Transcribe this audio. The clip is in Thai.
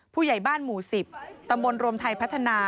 ผู้ใหญ่บ้านหมู่๑๐ตำบลรวมไทยพัฒนา